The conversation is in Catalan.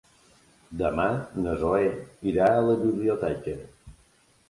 Demà na Zoè irà a la biblioteca.